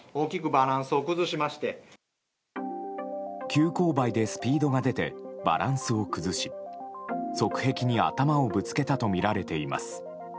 急勾配でスピードが出てバランスを崩し側壁に頭をぶつけたとみられています。